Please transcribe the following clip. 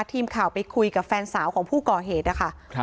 ทีมข่าวไปคุยกับแฟนสาวของผู้ก่อเหตุนะคะ